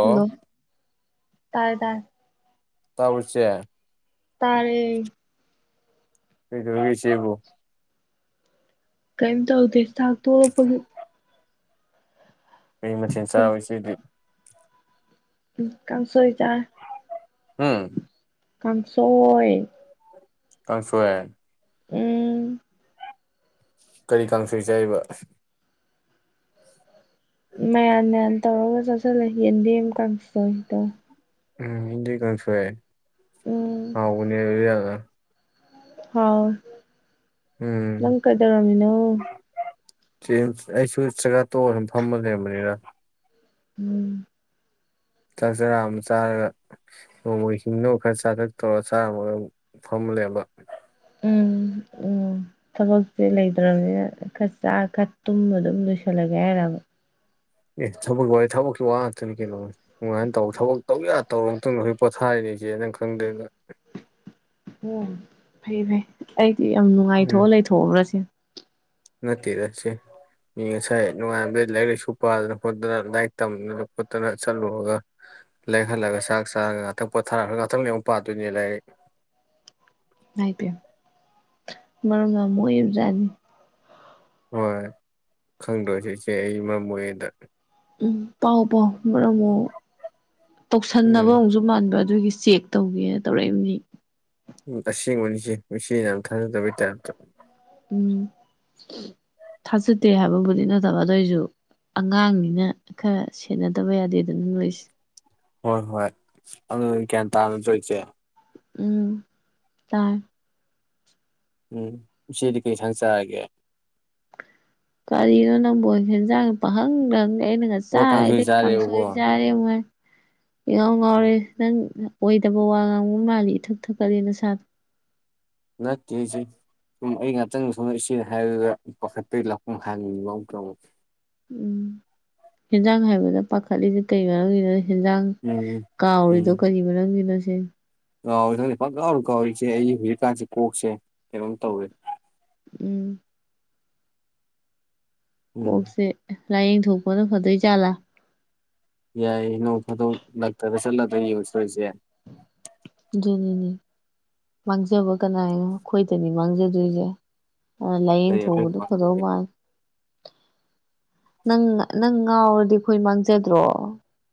Hello ꯇꯥꯔꯦ ꯇꯥꯔꯦ ꯇꯥꯕ꯭ꯔꯣ ꯆꯦ ꯇꯥꯔꯦ ꯀꯩꯗꯧꯔꯤꯒ‌ꯦ ꯏꯆꯦꯕꯨ ꯀꯩꯝ ꯇꯧꯗꯦ ꯆꯥꯛ ꯇꫭꯛꯄꯒꯤ ꯀꯩ ꯃꯊꯦꯟ ꯆꯥꯔꯕ ꯏꯆꯦꯗꯤ ꯎꯝ ꯀꯥꯡꯁꯣꯏ ꯆꯥꯔꯦ ꯎꯝ ꯀꯥꯡꯁꯣꯏ ꯀꯥꯡꯁꯣꯏ ꯎꯝ ꯀꯔꯤ ꯀꯥꯡꯁꯣꯏ ꯆꯥꯏꯕ ꯃꯌꯥꯟ ꯃꯌꯥꯟ ꯇꯧꯔꯒ ꯆꯥꯁꯜꯂꯦ ꯌꯦꯟꯗ‌ꯦꯝ ꯀꯥꯡꯁꯣꯏ ꯇꯧꯋꯦ ꯎꯝ [unintelligible] ꯀꯥꯡꯁꫭꯏ ꯎꯝ ꯍꯥꯎꯕꯅꯦ [unintelligible] ꯍꯥꯎꯋ‌ꯦ ꯎꯝ ꯅꯪ ꯀꯩꯗꯧꯔꯝꯃꯤꯅꯣ [unintelligible] ꯑꯩꯁꯨ ꯆꯥꯛꯆꯥ ꯇꯣꯛꯑ ꯁꯨꯝ ꯐꯝꯃ ꯂꯩꯔꯝꯕꯅꯤꯗ ꯎꯝ ꯆꯥꯛ ꯆꯔꯥ ꯑꯃ ꯆꯥꯔꯒ ꯅꯣꯡꯃꯩ ꯍꯤꯡꯅꯕ ꯈꯔ ꯆꯥꯊꯛ ꯇꯧꯔꯒ ꯆꯥꯝꯃꯒ ꯑꯃꯨꯛ ꯐꯝꯂꯩꯔꯝꯕ ꯎꯝ ꯎꯝ ꯑꯣ ꯊꯕꯛꯁꯦ ꯂꯩꯇ꯭ꯔꯕꯅꯤꯅ ꯈꯔ ꯆꯥꯔ ꯈꯔ ꯇꯨꯝꯃꯒ ꯑꯗꯨꯝ ꯂꯣꯏꯁꯜꯂꯒꯦ ꯍꯥꯏꯔꯥꯕ ꯑꯦ ꯊꯕꯛ ꯋꯥ ꯊꯕꯛꯀꯤ ꯋꯥ ꯉꯥꯛꯇꯅꯤ ꯀꯩꯅꯣ ꯅꫭꯉꯥꯟꯗꯩꯅꯨꯇꯥꯐꯥꯎ ꯊꯕꯛ ꯇꯧ ꯌꯥ ꯇꯧꯔꯨꯕ ꯃꯇꯨꯡꯗ ꯍꯧꯖꯤꯛ ꯄꯣꯊꯥꯔꯤꯅꯤ ꯑꯩꯁꯦ ꯅꯪ ꯈꯪꯗꯦꯗ ꯑꯣ ꯐꯩ ꯐꯩ ꯑꯩꯗꯤ ꯌꯥꯝ ꯎꯝ ꯅꯨꯡꯉꯥꯏꯊꯣꯛꯑ ꯂꯩꯊꯣꯛ ꯑꯕ꯭ꯔ ꯁꯤꯅꯤ ꯅꯠꯇꯦꯗ ꯆꯦ ꯃꯤ ꯉꯁꯥꯏ ꯅꯨꯡꯉꯥꯏꯥꯟꯕꯗꯩ ꯂꯥꯏꯔꯤꯛ ꯂꯥꯏꯁꯨ ꯄꯥꯗꯅ ꯈꯣꯠꯇꯅ ꯂꯥꯏꯔꯤꯛ ꯇꯝꯗꯅ ꯈꯣꯠꯇꯅ ꯆꯠꯂꯨꯔꯒ ꯂꯩꯍꯜꯂꯛꯑꯒ ꯆꯥꯛ ꯆꯥꯔꯒ ꯉꯥꯛꯇꯪ ꯄꯣꯊꯔꯛ꯭ꯔꯒ ꯉꯥꯛꯇꯪ ꯂꯩꯔ ꯑꯃꯨꯛ ꯄꯥꯗꯣꯏꯅꯤ ꯂꯥꯏꯔꯤꯛ ꯏꯃꯥꯏꯄꯦꯝ ꯃꯔꯝ ꯌꯥꯝ ꯃꯥꯛꯏꯕꯖꯥꯠꯅꯤ ꯍꯣꯏ ꯈꯪꯗꯣꯏꯁꯤ ꯏꯆꯦ ꯆꯦ ꯑꯩ ꯃꯔꯝ ꯃꫭꯛꯏꯗꫭ ꯎꯝ ꯄꯥꯎ ꯄꯥꯎ ꯃꯔꯝ ꯑꯃꯨꯛꯑꫭ ꯎꯝ ꯇꯧꯁꯟꯅꯕ ꯑꯃꯨꯛꯁꯨ ꯃꯥꯟꯕ ꯑꯗꯨꯒꯤ ꯆꯦꯛ ꯇꯧꯒꯦꯅ ꯇꯧꯔꯛꯏꯕꯅꯤ ꯎ ꯑꯁꯦꯡꯕꯅꯤ ꯆꯦ ꯏꯆꯦ ꯌꯥꯝ ꯊꯥꯖꯗꯕꯩ ꯇꯥꯏꯞꯇ ꯎꯝ ꯊꯥꯖꯗꯦ ꯍꯥꯏꯕꯕꯨꯗꯤ ꯅꯠꯇꯕ ꯑꯗꯨꯑꯣꯏꯁꯨ ꯑꯉꯥꯡꯅꯤꯅ ꯈꯔ ꯁꯦꯅꯗꯕ ꯌꯥꯗꯦꯗꯅ ꯅꫭꯏꯁꯦ ꯍꯣꯏ ꯍꯣꯏ ꯑꯗꯨ ꯑꯩ ꯒ꯭ꯌꯥꯟ ꯇꯥꯕ ꯅꯠꯇ꯭ꯔꫭ ꯏꯆꯦ ꯎꯝ ꯇꯥꯏ ꯎꯝ ꯏꯆꯦꯗꯤ ꯀꯩ ꯏꯟꯁꯥꯡ ꯆꯥꯔꯒꯦ ꯀꯔꯤꯅꯣ ꯅꯪꯕꫭ ꯍꯦꯟꯖꯥꯡ ꯄꯍꯪꯗ ꯍꯪ ꯂꯩ ꯑꯩ ꯑꯣ ꯀꯥꯡꯁꯣꯏ ꯉꯁꯥꯏꯗꯩ ꯆꯥꯔꯦꯕꯀꯣ ꯀꯥꯡꯁꯣꯏ ꯆꯥꯏ [unintelligible] ꯏꯉꯥꯎ ꯎꯝ ꯉꯥꯎꯔꯦ ꯅꯪ ꯑꯣꯏꯗꯕ ꯋꯥ ꯉꯥꯡꯕ ꯃꯥꯜꯂꯤ ꯏꯊꯛ ꯊꯛꯀꯠꯂꯦ ꯅꯁꯥꯗꫭ ꯅꯠꯇꯦ ꯏꯆꯦ ꯁꯨꯝ ꯑꯩ ꯉꯥꯇꯪ ꯁꫭꯝꯗ ꯏꯆꯦꯅ ꯍꯥꯏꯕꯗꯨꯗ ꯄꯥꯈꯠꯄꯩ ꯂꯥꯛꯀꯨꯝ [unintelligible] ꯎꯝ ꯍꯦꯟꯖꯥꯡ ꯍꯥꯏꯕꯗ ꯄꯥꯈꯠꯂꯤꯁꯦ ꯀꯩ ꯃꯔꯣꯝꯒꯤꯅꯣ ꯍꯦꯟꯖꯥꯡ ꯎꯝ ꯎꯝ ꯀꯥꯥꯎꯔꯤꯗꫭ ꯀꯔꯤ ꯃꯔꯝꯒꯤꯅꫭ ꯁꯤꯅꯤ ꯀꯥꯎꯋꯦ ꯈꯪꯗꯦ ꯄꯪꯀꯥꯎꯗ ꯀꯥꯎꯋꯤ ꯏꯆꯦ ꯑꯩ ꯍꯧꯖꯤꯛꯀꯥꯟꯁꯦ ꯀꯣꯛꯁꯦ ꯀꯩꯅꯣꯝ ꯇꯧꯔꯦ ꯎꯝ ꯎꯝ ꯀꯣꯛꯁꯦ ꯂꯥꯏꯌꯦꯡꯊꯣꯛꯄꯅ ꯐꯗꫭꯏ ꯖꯥꯠꯂꯥ ꯌꯥꯏꯌꯦ ꯅꯣꯡ ꯐꯥꯗꯣꯛ ꯅꯛꯇꯗ ꯆꯠꯂꯒ ꯌꯦꯡꯉꯨ [unintelligible] ꯗꯨꯅꯤꯅꯦ ꯃꯥꯡꯖꯕ ꯀꯅꯥꯅꯣ ꯑꯩꯈꯣꯏꯗꯅꯤ ꯃꯥꯡꯖꯗꯣꯏꯖꯦ ꯍꯥꯟꯅ ꯀꯔꯤ ꯑꯩꯈꯣꯏ ꯂꯥꯏꯌꯦꯡꯊꯣꯍꯧꯕꯗꯣ ꯃꯃꯥꯡꯗ ꯐꯗꯧ ꯑꯣꯏꯔꯗꯤ ꯃꯥꯜ ꯅꯪ ꯅꯪ ꯉꯥꯎꯔꯗꯤ ꯑꯩꯈꯣꯏ ꯃꯥꯡꯖꯗ꯭ꯔꯣ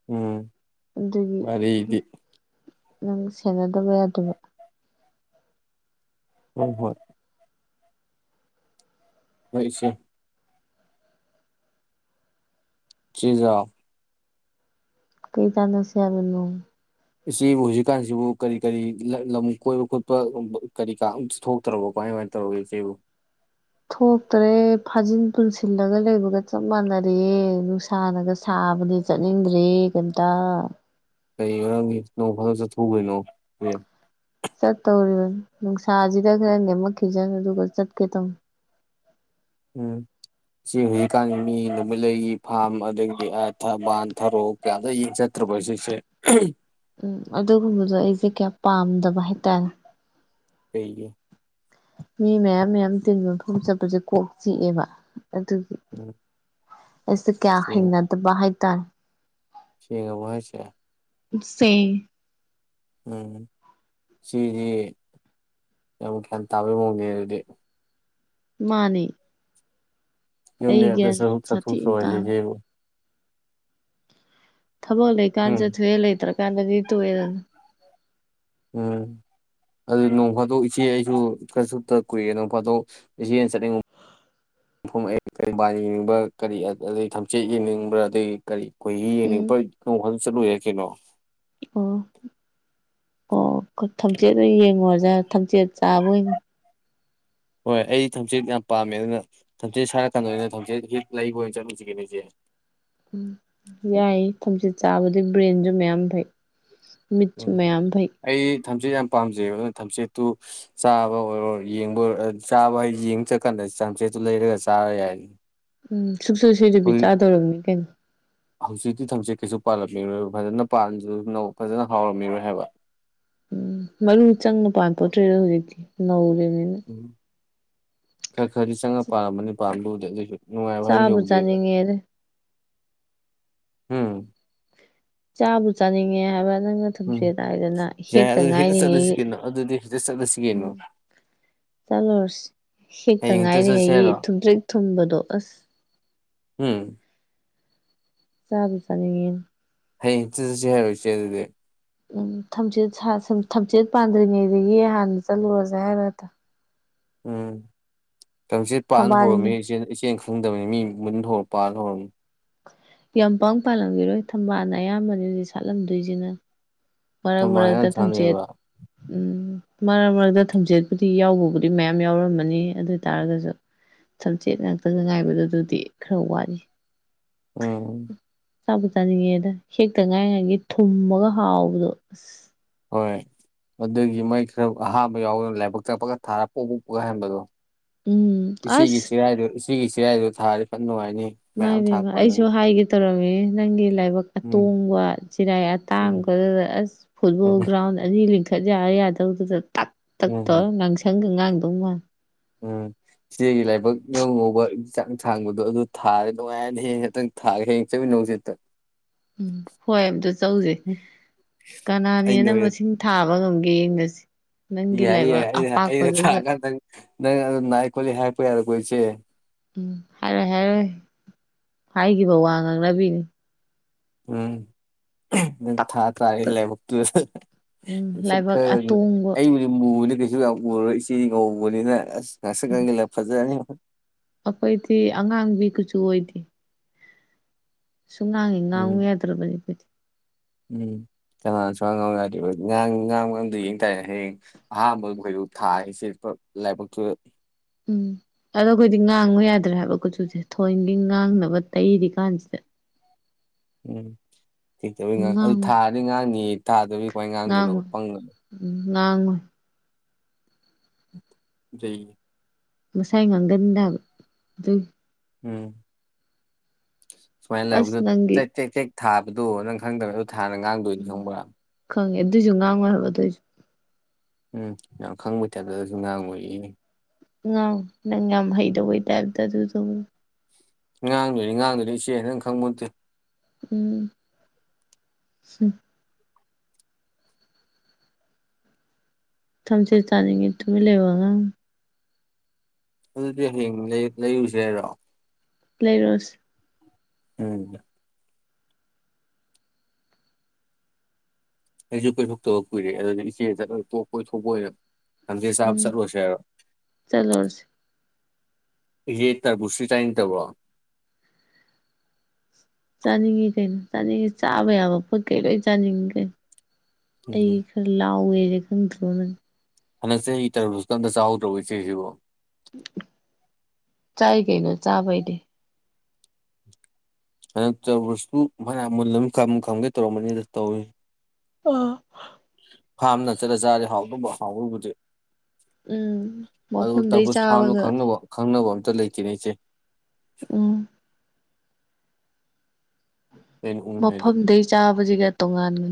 ꯎꯝ ꯑꯗꯨꯒꯤ ꯋꯥꯔꯤꯗꯤ ꯅꯪ ꯁꯦꯟꯅꯗꯕ ꯌꯥꯗꯕ ꯍꯣꯏ ꯍꯣꯏ ꯍꯣꯏ ꯏꯆꯦ ꯆꯦꯖꯥ ꯀꯩ ꯇꯥꯅꯁꯦ ꯍꯥꯏꯕꯅꯣ ꯏꯆꯦꯕꯨ ꯍꯧꯖꯤꯛꯀꯥꯟꯁꯤꯕꯨ ꯀꯔꯤ ꯀꯔꯤ ꯂ-ꯂꯝ ꯀꯣꯏꯕ ꯈꯣꯠꯄ [unintelligible] ꯀꯔꯤꯀꯥ ꯑꯝꯇ ꯊꯣꯛꯇ꯭ꯔꯕꯣ ꯀꯃꯥꯏ ꯀꯃꯥꯏꯅ ꯇꯧꯒꯦ ꯏꯆꯦꯕꯨ ꯊꯣꯛꯇꯔꯦ ꯐꯥꯖꯤꯟ ꯄꯨꯟꯁꯤꯜꯂꯒ ꯂꯩꯕꯒ ꯆꯞ ꯃꯥꯟꯅꯔꯦꯑꯦ ꯅꯨꯡꯁꯥꯅꯒ ꯁꯥꯕꯅꯦ ꯆꯠꯅꯤꯡꯗ꯭ꯔꯦ ꯀꯩꯝꯇꯥ ꯀꯩ ꯃꯔꯝꯒꯤ ꯅꯣꯡ ꯐꯗꯣꯛ ꯆꯠꯊꯣꯛꯎ ꯀꯩꯅꯣ ꯑꯦ ꯆꯠꯇꯧꯔꯤꯕ ꯅꯨꯡꯁꯥꯁꯤꯗ ꯈꯔ ꯅꯦꯝꯃꯛꯈꯤꯖꯅꯨ ꯑꯗꯨꯒ ꯆꯠꯀꯦ ꯇꯧꯅꯤ ꯎꯝ ꯆꯦ ꯍꯧꯖꯤꯛꯀꯥꯟ ꯃꯤ ꯅꯨꯃꯤꯠꯂꯩꯒꯤ ꯐꯥꯝ ꯑꯗꯒꯤꯗꯤ ꯑꯥ ꯊꯝꯕꯥꯜ ꯊꯔꯣ ꯃꯌꯥꯝꯗꯣ ꯌꯦꯡ ꯆꯠꯇ꯭ꯔꯥꯕꯣ ꯏꯆꯦꯁꯦ ꯎꯝ ꯑꯗꯨꯒꯨꯝꯕꯗꯣ ꯑꯩꯁꯦ ꯀꯌꯥ ꯄꯥꯝꯗꯕ ꯍꯥꯏꯇꯥꯔꯦ ꯀꯩꯒꯤ ꯃꯤ ꯃꯌꯥꯝ ꯃꯌꯥꯝ ꯇꯤꯟꯕ ꯃꯐꯝ ꯆꯠꯄꯁꯦ ꯀꯣꯛ ꯆꯤꯛꯑꯦꯕ ꯑꯗꯨꯒꯤ꯫ ꯎꯝ ꯑꯩꯁꯦ ꯀꯌꯥ ꯌꯦꯡ ꯍꯩꯅꯗꯕꯥ ꯍꯥꯏ ꯇꯥꯔꯦ ꯁꯦꯡꯉꯕꯣ ꯍꯥꯏꯁꯦ ꯁꯦ ꯎꯝ ꯆꯦꯗꯤ ꯌꯥꯝ ꯒ꯭ꯌꯥꯟ ꯇꯥꯕꯩ ꯃꯑꯣꯡꯅꯤꯅꯦ ꯗꯨꯗꯤ ꯃꯥꯅꯦ ꯑꯩ ꯌꯨꯝꯗꯩ ꯒ꯭ꯌꯥꯟ ꯑꯝꯇꯁꯨ ꯁꯥꯊꯤꯅ ꯇꯥꯕꯅꯦ [unintelligible] ꯊꯕꯛ ꯂꯩꯀꯥꯟ ꯎꯝ ꯆꯠꯊꯣꯛꯑꯦ ꯂꯩꯇ꯭ꯔꯀꯥꯟꯗꯗꯤ ꯇꯣꯛꯑꯦꯗꯅ꯫ ꯎꯝ ꯑꯗꯨꯗꯤ ꯅꯣꯡ ꯐꯥꯗꯣꯛ ꯏꯆꯦ ꯑꯩꯁꯨ ꯈꯔ ꯁꯨꯞꯇ ꯀꯨꯏꯔꯦ ꯅꯣꯡ ꯐꯥꯗꯣꯛ ꯏꯆꯦꯅ ꯆꯠꯅꯤꯡꯉ ꯃꯐꯝ [unintelligible] ꯌꯦꯡꯅꯤꯡꯕ ꯀꯔꯤ ꯑꯗꯒꯤ ꯊꯝꯆꯦꯠ ꯌꯦꯡꯅꯤꯡꯕ꯭ꯔꯥ ꯑꯗꯩ ꯀꯔꯤ ꯈꯣꯏꯍꯤ ꯌꯦꯡꯉꯤ ꯎꯝ ꯅꯣꯡ ꯐꯥꯗꯣꯛ ꯆꯠꯂꯨ ꯌꯥꯢ ꯀꯩꯅꯣ꯫ ꯎꯝ ꯑꯣ ꯈ ꯊꯝꯆꯦꯠ ꯑꯣꯢꯟ ꯌꯦꯡꯉꯨꯔꯁꯦꯠ ꯍꯥꯢ ꯀꯩꯅꯣ ꯊꯝꯆꯦꯠ ꯆꯥꯕ ꯑꯣꯏꯅ ꯍꯣꯏ ꯑꯩ ꯊꯝꯆꯦꯠ ꯌꯥꯝ ꯄꯥꯝꯃꯦ ꯑꯗꯨꯅ ꯊꯝꯆꯦꯠ ꯁꯥꯔꯀꯥꯟꯗ ꯑꯣꯏꯅ ꯊꯝꯆꯦꯠ ꯍꯤꯠ ꯂꯩꯕ ꯑꯣꯏꯅ ꯆꯠꯂꯨꯖꯤꯀꯩꯅꯣ ꯏꯆꯦ ꯎꯝ ꯌꯥꯏ ꯊꯝꯆꯦꯠ ꯆꯥꯕꯗꯤ ꯕ꯭ꯔꯦꯟꯖꯨ ꯃꯌꯥꯝ ꯐꯩ ꯃꯤꯠꯁꯨ ꯎꯝ ꯃꯌꯥꯝ ꯐꯩ ꯑꯩ ꯊꯝꯆꯦꯠ ꯌꯥꯝ ꯄꯥꯝꯖꯩꯌꯦꯕ ꯑꯗꯨꯅ ꯊꯝꯆꯦꯠꯇꯨ ꯆꯥꯕ ꯑꯣꯏꯔꯣ ꯌꯦꯡꯕ ꯑꯣꯏꯔꯣ ꯆꯥꯕ ꯍꯥꯏ ꯌꯦꯡ ꯆꯠꯀꯥꯟꯗ ꯊꯝꯆꯦꯠꯇꯨ ꯂꯩꯔꯒ ꯆꯥꯔ ꯌꯥꯏꯌꯦ ꯎꯝ ꯁꯨꯛꯁꯣꯏ ꯁꯣꯏꯗꯕꯤ ꯆꯥꯗꯧꯔꯝꯅꯤ ꯀꯩꯅꯣ꯫ ꯍꯧꯖꯤꯛꯇꯤ ꯊꯝꯆꯦꯠ ꯀꯩꯁꯨ ꯄꯥꯜꯂꯝꯃꯤꯔꯣꯏ ꯐꯖꯅ ꯄꯥꯟꯖꯁꯅꯣ ꯐꯖꯅ ꯍꯥꯎꯔꯝꯃꯤꯔꯣꯏ ꯍꯥꯏꯕ꯫ ꯎꯝ ꯃꯔꯨ ꯆꯪꯅ ꯄꯥꯟꯄꯣꯠꯇ꯭ꯔꯤꯗ ꯍꯧꯖꯤꯛꯇꯤ ꯅꯧꯔꯤꯝꯅꯤ꯫ ꯈꯔ ꯈꯔꯗꯤ ꯆꯪꯉꯒ ꯄꯥꯟꯔꯝꯃꯅꯤ ꯄꯥꯕꯨꯗꯤ ꯑꯗꯣꯏꯖꯨ ꯅꯨꯡꯉꯥꯏꯕ ꯍꯥꯏ ꯆꯥꯕꯨ ꯌꯧꯗꯦꯗ ꯆꯥꯅꯤꯡꯉꯦꯗ ꯍꯨꯡ꯫ ꯆꯥꯕꯨ ꯆꯥꯅꯤꯡꯉꯦ ꯍꯥꯏꯕ ꯅꯪꯅ꯫ ꯎꯝ ꯊꯝꯆꯦꯠ ꯍꯥꯏꯗꯅ ꯌꯥꯏ ꯍꯦꯛꯇ ꯑꯗꯨꯗꯤ ꯉꯥꯏꯔꯤꯉꯩ ꯆꯠꯂꯁꯤ ꯒꯤ ꯀꯩꯅꯣ ꯑꯗꯨꯗꯤ ꯍꯦꯛꯇ ꯆꯠꯂꯁꯤ ꯀꯩꯅꯣ ꯎꯝ꯫ ꯆꯠꯂꯨꯔꯁꯤ ꯍꯦꯛꯇ ꯍꯌꯦꯡ ꯆꯠꯁꯦ ꯉꯥꯏꯔꯤꯉꯩꯒꯤ ꯍꯥꯏꯔꯣ ꯊꯨꯝꯇ꯭ꯔꯤꯛ ꯊꯨꯝꯕꯗꯣ ꯑꯁ ꯍꯨꯝ ꯆꯥꯕꯨ ꯆꯥꯅꯤꯡꯉꯦꯅꯦ ꯍꯌꯦꯡ ꯆꯠ ꯆꯠꯁꯤ ꯍꯥꯏꯔꯣ ꯏꯆꯦ ꯑꯗꯨꯗꯤ ꯎꯝ ꯊꯝꯆꯦꯠ ꯁꯥ ꯁꯨꯝ ꯊꯝꯆꯦꯠ ꯄꯥꯟꯗ꯭ꯔꯤꯉꯩꯗꯒꯤ ꯍꯥꯟꯅ ꯆꯠꯂꯨꯔꯁꯦ ꯍꯥꯏꯔꯗ ꯎꯝ ꯊꯝꯆꯦꯠ ꯄꯥꯟ ꯍꯧꯔꯝꯃꯤ ꯊꯝꯕꯥꯜꯒꯤ ꯏꯆꯦ ꯏꯆꯦꯅ ꯐꯪꯗꯕꯅꯤ ꯃꯤ ꯃꯨꯟ ꯊꯣꯛꯔꯛꯄ ꯍꯧꯔꯝꯅꯤ ꯌꯥꯝ ꯄꯥꯡ ꯄꯥꯜꯂꯝꯒꯤꯔꯣꯏ ꯊꯝꯕꯥꯜꯅ ꯑꯌꯥꯝꯕꯅꯤꯗꯤ ꯁꯥꯠꯂꯝꯗꯣꯏꯖꯤꯅ ꯃꯔꯛ ꯊꯝꯕꯥꯜ ꯌꯥꯝ ꯃꯔꯛꯇ ꯊꯝꯆꯦꯠ ꯁꯥꯠꯂꯦꯕ ꯎꯝ ꯃꯔꯛ ꯃꯔꯛꯇ ꯊꯝꯖꯦꯠꯄꯨꯗꯤ ꯌꯥꯎꯕꯕꯨꯗꯤ ꯃꯌꯥꯝ ꯌꯥꯎꯔꯝꯃꯅꯤ ꯑꯗꯨ ꯑꯣꯏ ꯇꯔꯒꯁꯨ ꯊꯝꯆꯦꯠ ꯉꯥꯛꯇꯒ ꯉꯥꯏꯕꯗꯨ ꯑꯗꯨꯗꯤ ꯈꯔ ꯋꯥꯠꯂꯤ ꯎꯝ ꯆꯥꯕꯨ ꯆꯥꯅꯤꯡꯉꯦꯗ ꯍꯦꯛꯇ ꯉꯥꯏꯔꯤꯉꯩꯒꯤ ꯊꯨꯝꯃꯒ ꯍꯥꯎꯕꯗꯣ ꯑꯁ ꯍꯣꯏ ꯑꯗꯨꯒꯤ ꯃꯣꯢ ꯈꯔ ꯑꯍꯥꯟꯕ ꯌꯥꯎꯕ ꯂꯥꯏꯕꯛ ꯀꯛꯄꯒ ꯊꯥꯔ ꯄꯣꯛ ꯄꯨꯒ ꯍꯟꯕꯗꯣ ꯎꯝ ꯏꯆꯦꯒꯤ ꯑꯁ ꯆꯤꯔꯥꯏꯗꯨ ꯏꯆꯦꯒꯤ ꯆꯤꯔꯥꯏꯗꯨ ꯊꯥꯔꯗꯤ ꯐꯅ ꯅꯨꯡꯉꯥꯏꯅꯤꯍꯦ ꯃꯥꯏꯕꯦꯝꯃ ꯑꯩꯁꯨ ꯍꯥꯏꯒꯦ ꯇꯧꯔꯝꯃꯤꯅꯤ ꯅꯪꯒꯤ ꯂꯥꯏꯕꯛ ꯎꯝ ꯑꯇꯣꯡꯕ ꯆꯤꯔꯥꯏ ꯎꯝ ꯑꯇꯥꯡꯕꯗꯨꯗ ꯑꯁ ꯐꯨꯠꯕꯣꯜ ꯒ꯭ꯔꯥꯎꯟ ꯑꯅꯤ ꯂꯤꯡ ꯈꯠ ꯌꯥꯔ ꯌꯥꯗꯧꯗꯨꯗ ꯇꯛ ꯎꯝ ꯇꯛꯇꯧꯔ ꯎꯝ ꯉꯥꯡꯁꯪꯒ ꯉꯥꯡꯗꯧ ꯃꯥꯜꯂꯤ ꯎꯝ ꯏꯆꯦꯒꯤ ꯂꯥꯏꯕꯛ ꯉꯧ ꯉꯧꯕ ꯆꯥꯡ ꯁꯥꯡꯕꯗꯣ ꯑꯗꯨ ꯊꯥꯔ ꯅꯨꯡꯉꯥꯏꯅꯍꯦ ꯍꯦꯛꯇꯪ ꯊꯥꯔꯦ ꯍꯌꯦꯡ ꯆꯠꯃꯤꯟꯅꯧꯖꯦ ꯑꯝꯇ ꯎꯝ ꯍꯣꯏ ꯑꯝꯇ ꯆꯧꯖꯦ ꯀꯅꯥꯅ ꯑꯩꯅ ꯍꯦ ꯑꯣꯏꯅ ꯃꯁꯤꯡ ꯊꯥꯕ ꯉꯝꯒꯦ ꯌꯦꯡꯅꯖꯤ ꯌꯥꯏ ꯌꯥꯏ ꯑꯩꯅ ꯑꯩꯅ ꯊꯥꯛꯑꯀꯥꯟꯗ ꯅꯪ ꯑꯗꯨ ꯅꯥꯏ ꯈꯣꯠꯂꯤ ꯍꯥꯏꯔꯛꯄ ꯌꯥꯔꯣꯢꯀꯣ ꯏꯆꯦ ꯎꯝ ꯍꯥꯏꯔꯣꯢ ꯍꯥꯏꯔꯣꯢ ꯍꯥꯏꯈꯤꯕ ꯋꯥ ꯉꯥꯡꯅꯕꯤꯅꯤ ꯎꯝ ꯎꯝ ꯇꯛ ꯊꯥ ꯇꯥ ꯇꯛ ꯂꯩꯕꯛ ꯇꯨ ꯎꯝ ꯂꯥꯏꯕꯛ ꯈꯔ ꯑꯇꯣꯡꯕ ꯑꯩ ꯃꯨꯕꯅꯤ ꯀꯩꯁꯨꯨ ꯌꯥꯝ ꯎꯔꯔꯣ ꯏꯆꯦ ꯉꯥꯎꯕꯅꯤꯅ ꯉꯥꯛꯁꯪ ꯎꯝ ꯉꯥꯡꯖꯜꯂꯒ ꯐꯖꯔꯅꯤ ꯑꯩꯈꯣꯏꯗꯤ ꯑꯉꯥꯡꯕꯤ ꯀꯨꯆꯁꯨ ꯑꯣꯏꯗꯦ ꯁꯨꯉꯥꯡ ꯍꯦꯛ ꯉꯥꯡꯨ ꯎꯝ ꯌꯥꯗ꯭ꯔꯕꯅꯤ ꯑꯩꯈꯣꯏꯗꯤ ꯎꯝ ꯀꯅꯥ ꯁꯨꯉꯥꯡ ꯌꯥꯗ꯭ꯔꯤꯕ ꯉꯥꯡꯕ ꯉꯝꯗ ꯌꯦꯡ ꯇꯔꯅꯦ ꯍꯌꯦꯡ ꯑꯍꯥꯟꯕꯗ ꯈꯣꯏꯔꯨ ꯊꯥ ꯏꯆꯦ ꯂꯥꯏꯕꯛꯇꯨꯗ ꯎꯝ ꯑꯗꯣ ꯑꯩꯈꯣꯏꯗꯤ ꯉꯥꯡꯉꯨ ꯌꯥꯗ꯭ꯔꯥ ꯍꯥꯏꯕ ꯀꯨꯆꯨꯁꯦ ꯊꯣꯏꯒꯤ ꯉꯥꯡꯅꯕ ꯇꯩꯔꯤ ꯀꯥꯟꯁꯤꯗ [inaudible] ꯎꯝ ꯊꯤꯛꯇꯕꯩ ꯉꯥꯡ ꯑꯗꯨ ꯉꯥꯡꯉꯨ ꯊꯥꯔꯗꯤ ꯉꯥꯡꯅꯤ ꯇꯥꯗꯕꯩ ꯀꯃꯥꯏ ꯉꯥꯡꯗꯣꯏꯅꯣ ꯉꯥꯡꯉꯨ ꯄꯪꯒꯅꯣ ꯉꯥꯡꯉꯣꯏ ꯆꯩ ꯃꯁꯥꯏ ꯉꯥꯡꯒꯜꯗ ꯑꯗꯨ ꯎꯝ ꯁꯨꯉꯥꯡ ꯑꯁ ꯂꯥꯕꯛꯇ ꯅꯪꯒꯤ ꯇꯦꯛ ꯇꯦꯛ ꯊꯥꯕꯗꯣ ꯅꯪ ꯈꯪꯗꯕ ꯑꯗꯣ ꯊꯥꯅ ꯉꯥꯡꯗꯣꯏꯅꯤ ꯈꯪꯕ꯭ꯔꯥ ꯈꯪꯉꯦ ꯑꯗꯨꯑꯣꯏꯁꯨ ꯉꯥꯡꯉꯣꯏ ꯍꯥꯏꯕ ꯑꯗꯨꯏꯁꯨ ꯎꯝ ꯌꯥꯝ ꯈꯪꯕꯩ ꯇꯥꯏꯞꯇꯗꯁꯨ ꯉꯥꯡ ꯑꯣꯏꯛꯏꯅꯦ ꯉꯥꯡ ꯅꯪ ꯌꯥꯝ ꯍꯩꯗꯧꯕꯩ ꯇꯥꯏꯞꯇ ꯑꯗꯨ ꯇꯧꯕꯅꯤ ꯉꯥꯡꯗꯣꯏꯅꯤ ꯉꯥꯡꯗꯣꯏꯅꯤ ꯏꯆꯦ ꯅꯪ ꯈꯪꯄꯣꯜꯇꯦ ꯎꯝ ꯎ ꯊꯝꯆꯦꯠ ꯆꯥꯅꯤꯡꯉꯦ ꯇꯨꯃꯤꯜ ꯂꯩꯌꯨ ꯑꯉꯥꯡ ꯑꯗꯨꯗꯤ ꯍꯌꯦꯡ ꯂꯩꯔꯨꯁꯦ ꯍꯥꯏꯔꯣ ꯂꯩꯔꯣꯁꯦ ꯎꯝ ꯑꯩꯁꯨ ꯀꯣꯏꯊꯣꯛꯇꯕ ꯀꯨꯏꯔꯦ ꯑꯗꯨꯗꯤ ꯏꯆꯦꯗ ꯑꯗꯨ ꯇꯣꯛꯄ ꯀꯣꯏꯊꯣꯛꯄ ꯑꯣꯏꯅ ꯊꯝꯆꯦꯠ ꯆꯥꯕ ꯎꯝ ꯆꯠꯂꯣꯁꯦ ꯍꯥꯏꯔꯣ ꯆꯠꯂꯨꯔꯁꯤ ꯌꯦ ꯇꯔꯕꯨꯁ ꯁꯤ ꯆꯥꯅꯤꯡꯗꯕꯔꯣ ꯆꯥꯅꯤꯡꯉꯤ ꯀꯩꯅꯣ ꯆꯥꯅꯤꯡꯉꯤ ꯆꯥꯕ ꯌꯥꯕ ꯄꯣꯠ ꯀꯩ ꯂꯣꯏ ꯆꯥꯅꯤꯡꯉꯤ ꯀꯩꯅꯣ ꯎꯝ ꯑꯩꯒꯤ ꯂꯥꯎꯋꯦꯁꯦ ꯈꯗ꯭ꯔꯣ ꯅꯪ ꯍꯟꯗꯛ ꯆꯍꯤꯒꯤ ꯇꯔꯥꯕꯨꯁꯀ ꯑꯃꯠꯇ ꯆꯥꯍꯧꯗ꯭ꯔꯣ ꯏꯆꯦꯁꯤꯕ‌ꫭ ꯆꯥꯏ ꯀꯩꯅꯣ ꯆꯥ ꯕꯩꯗꯤ ꯍꯟꯗꯛ ꯇꯧꯨꯔꯁꯨ ꯐꯅ ꯃꯨꯜ ꯑꯃ ꯈꯝ ꯈꯪꯒꯦ ꯇꯧꯔꯝꯕꯅꯤꯗ ꯇꯧꯏ ꯑꯥ ꯐꯥꯝꯅ ꯆꯠꯂ ꯆꯥꯗꯤ ꯍꯥꯎꯗꯕ ꯍꯥꯎꯕꯕꯨꯗꯤ ꯎꯝ ꯑꯗꯨ ꯃꯐꯝꯗꯩ ꯇꯔꯕꯨꯁ ꯐꯥꯔꯝꯗꯨ ꯆꯥꯕꯒ ꯈꯪꯅꯕ ꯈꯪꯅꯕ ꯑꯝꯇ ꯂꯩꯇꯦꯅꯦ ꯑꫯꯆꯦ ꯎꯝ ꯑꯩꯅ ꯎꯅꯤꯡꯉꯗꯤ ꯃꯐꯝꯗꯩ ꯆꯥꯕꯁꯤꯒ ꯇꯣꯉꯥꯟꯕꯅꯤ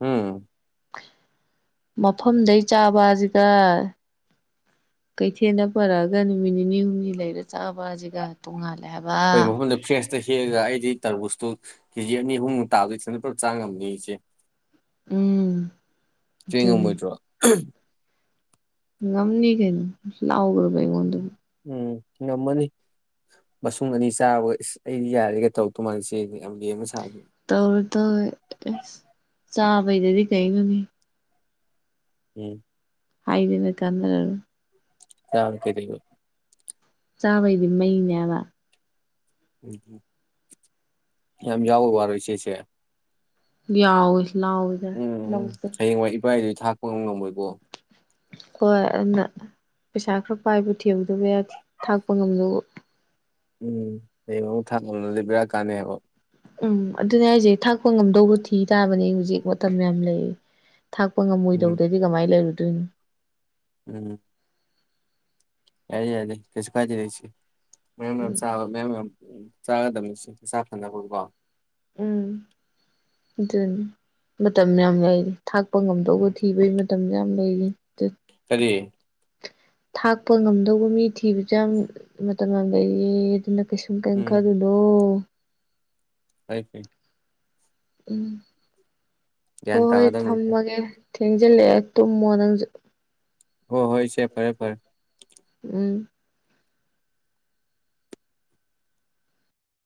ꯎꯝ ꯃꯐꯝꯗꯩ ꯆꯥꯕꯁꯤꯒ ꯀꯩꯊꯦꯜꯗ ꯄꯨꯔꯛꯑꯒ ꯅꯨꯃꯤꯠ ꯅꯤꯅꯤ ꯍꯨꯝꯅꯤ ꯂꯩꯔ ꯆꯥꯕꯁꯤꯒ ꯇꯨꯡꯉꯂꯦ ꯍꯥꯏꯕ ꯍꯣꯏ ꯃꯐꯝꯗ ꯐ꯭ꯔꯦꯁ ꯍꯦꯛꯇ ꯍꯦꯛꯂꯒ ꯑꯩꯗꯤ ꯇꯔꯕꯨꯁꯇꯣ ꯀꯦꯖꯤ ꯑꯅꯤ ꯑꯍꯨꯝꯃꯨꯛ ꯇꯥꯕꯗꯨ ꯏꯊꯟꯇ ꯄꯨꯂꯞ ꯆꯥꯉꯝꯅꯤ ꯏꯆꯦ ꯎꯝ ꯏꯆ‌ꯦ ꯑꯗꯨꯅꯤ ꯉꯝꯃ‌ꫭꯏꯗ꯭ꯔꯣ ꯉꯝꯅꯤ ꯀꯩꯅ‌ꫭ ꯂꯥꯎꯒ꯭ꯔꯥꯕ ꯑꯩꯉ‌ꫭꯟ ꯎꯝ ꯉꯝꯃꯅꯤ ꯃꯁꯨꯡ ꯑꯅꯤ ꯆꯥꯕꯒ ꯏꯁ ꯑꯩꯗꯤ ꯌꯥꯔꯦꯒ ꯇꯧꯔꯛ ꯇ‌ꫭꯏ ꯃꯥꯥꯟꯂꯤ ꯏꯆꯦ ꯌꯥꯝ ꯂꯦꯝ ꯁꯥꯕꯤ ꯇꯧꯔ‌ꫭꯏ ꯇꯧꯔ‌ꫭꯏ ꯑꯁ ꯆꯥꯕꯩꯗꯗꯤ ꯀꯩꯅꯣꯅ‌ꯦ ꯎꯝ ꯍꯥꯏꯗꯅ ꯀꯥꯟꯅꯔꯔ‌ꫭꯏ ꯆꯥꯕꯅ ꯀꯩ ꯀꯩ ꯑꫭꯏ ꯆꯥꯕꯩꯗꯤ ꯃꯩꯅꯦꯕ ꯎꯝ ꯌꯥꯝ ꯂꯥꯎꯕꯩ ꯋꯥꯔꯣ ꯏꯆꯦꯁꯦ ꯌꯥꯎꯌ‌ꯦ ꯂꯥꯎꯌ‌ꯦ ꯂꯕꯨꯛꯇ ꯀꯔꯥꯏꯗꯩ ꯊꯥꯛꯄ ꯉꯝꯃꯣꯏꯕꯣ ꯍꯣꯏ ꯑꯗꯨꯅ ꯄꯩꯁꯥ ꯈꯔ ꯄꯥꯏꯕ ꯊꯦꯡꯎꯧꯗꯕ ꯌꯥꯗꯦ ꯊꯥꯛꯄ ꯉꯝꯅꯕ ꯎꯝ ꯍꯩꯌ‌ꯦꯡꯃꯨꯛ ꯊꯥꯡꯄꯉꯝꯗ꯭ꯔꯗꯤ ꯕ‌ꯦꯔꯥ ꯀꯥꯟꯅ‌ꯦꯕ ꯎꯝ ꯑꯗꯨꯅꯦ ꯍꯥꯁꯦ ꯊꯥꯛꯄ ꯉꯝꯗꯧꯕ ꯊꯤ ꯇꯥꯕꯅꯦ ꯍꯧꯖꯤꯛ ꯃꯇꯝ ꯌꯥꯝ ꯂꯩ ꯊꯥꯛꯄ ꯎꯝ ꯉꯝꯃꯣꯏꯗꯧꯕꯗꯗꯤ ꯀꯃꯥꯏꯅ ꯂꯩꯔꯨꯗꯣꯏꯅꯣ ꯎꯝ ꯌꯥ ꯌꯥꯌ‌ꯦ ꯀꯩꯁꯨ ꯀꯥꯏꯗ‌ꯦꯗꯥ ꯏꯆ‌ꯦ ꯃꯔꯝ ꯎꯝ ꯆꯥꯕꯥ ꯃꯌꯝ ꯎꯝ ꯆꯥꯒꯗꯕꯅꯤ ꯏꯆ‌ꯦ ꯆꯥꯛꯇꯅꯕꯀꯣ ꯎꯝ ꯑꯗꯨꯅꯤ ꯃꯇꯝ ꯌꯥꯝ ꯂꯩꯔꯤ ꯊꯥꯛꯄ ꯉꯝꯗꯧꯕ ꯊꯤꯕꯒꯤ ꯃꯇꯝ ꯌꯥꯝ ꯂꯩꯔꯤ ꯀꯔꯤ ꯊꯥꯛꯄ ꯉꯝꯗꯧꯕ ꯃꯤ ꯊꯤꯕꯁꯨ ꯌꯥꯝ ꯃꯇꯝ ꯌꯥꯝ ꯂꯩꯔꯤ ꯑꯗꯨꯅ ꯀꯩꯁꯨꯝ ꯀꯩ ꯎꯝ ꯈꯜꯂꯨꯅ‌ꫭ ꯐꯥꯏ ꯐ [unintelligible] ꯎꯝ ꯒ꯭ꯌꯥꯟ ꯍꯣꯏ ꯍꯣꯏ ꯇꯥꯒꯗꯕꯅꯤ ꯊꯝꯃꯒꯦ ꯊꯦꯡꯖꯤꯜꯂꯛꯑꯦ ꯇꯨꯝꯃꯣ ꯅꯪꯁꯨ ꯍ‌ꫭ ꯍꯣꯏ ꯏꯆ‌ꯦ ꯐꯔꯦ ꯐꯔꯦ ꯎꯝ